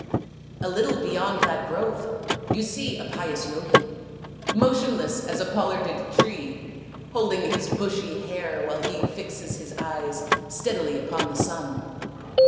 " A little beyond that grove you see a pious Yogi, motionless as a pollarded tree, holding his bushy hair while he fixes his eyes steadily upon the sun.